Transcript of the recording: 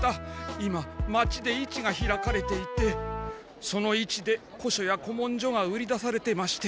今町で市が開かれていてその市で古書や古文書が売り出されてまして。